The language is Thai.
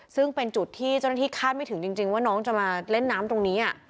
ซึ่งเป็นจุดที่เจ้าหน้าที่คาดไม่ถึงจริงว่าน้องจะมาเล่นน้ำตรงนี้